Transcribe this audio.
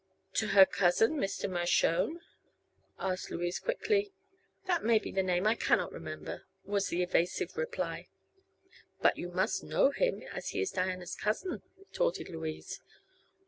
"To her cousin Mr. Mershone?" asked Louise quickly. "That may be the name; I cannot remember," was the evasive reply. "But you must know him, as he is Diana's cousin," retorted Louise.